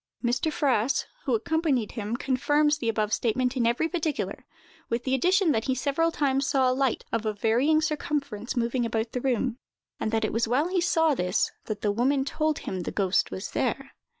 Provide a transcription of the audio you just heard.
Mr. Fraas, who accompanied him, confirms the above statement in every particular, with the addition that he several times saw a light, of a varying circumference, moving about the room; and that it was while he saw this, that the woman told him the ghost was there.